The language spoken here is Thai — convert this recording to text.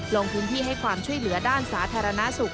ลงพื้นที่ให้ความช่วยเหลือด้านสาธารณสุข